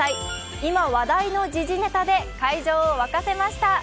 今、話題の時事ネタで会場を沸かせました。